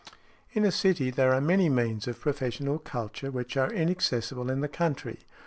In a city there are many means of professional culture which are inaccessible in the country.